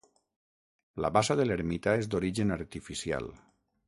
La bassa de l'Ermita és d'origen artificial.